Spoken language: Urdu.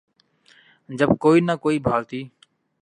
جب کوئی نہ کوئی بھارتی